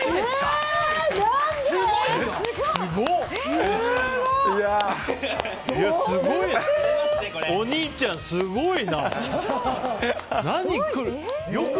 すごいよ！